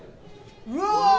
うわ！